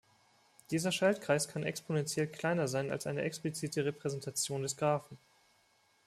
Dieser Schaltkreis kann exponentiell kleiner sein als eine explizite Repräsentation des Graphen.